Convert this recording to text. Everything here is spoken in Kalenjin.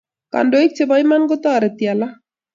Kandoik chebo iman kotoreti alak